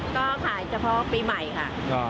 ก็ขายเฉพาะปีใหม่ค่ะ